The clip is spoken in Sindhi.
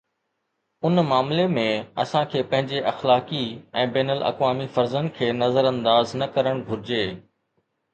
ان معاملي ۾، اسان کي پنهنجي اخلاقي ۽ بين الاقوامي فرضن کي نظرانداز نه ڪرڻ گهرجي.